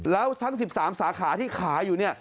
แล้วทั้ง๑๓สาขาที่ขายอยู่เนี่ย